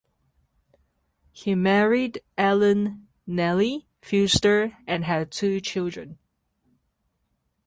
He married Ellen (Nellie) Fewster and had two children.